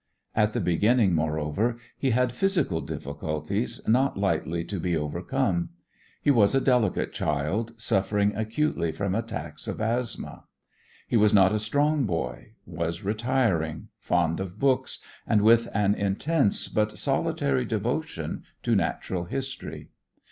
At the beginning, moreover, he had physical difficulties not lightly to be overcome. He was a delicate child, suffering acutely from attacks of asthma. He was not a strong boy, was retiring, fond of books, and with an intense but solitary devotion to natural history.